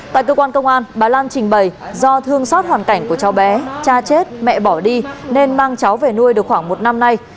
tại cơ quan công an bà lan trình bày do thương xót hoàn cảnh của cháu bé cha chết mẹ bỏ đi nên mang cháu về nuôi được khoảng một năm nay